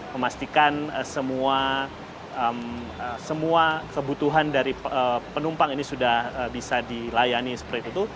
memastikan semua kebutuhan dari penumpang ini sudah bisa dilayani seperti itu